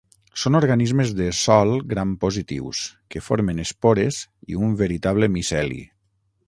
Són organismes de sòl gram-positius, que formen espores i un veritable miceli.